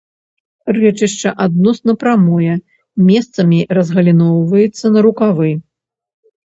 Рэчышча адносна прамое, месцамі разгаліноўваецца на рукавы.